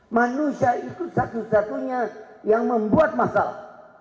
manusia itu satu satunya yang membuat masalah